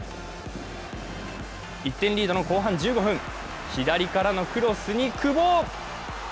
１点リードの後半１５分、左からのクロスに久保。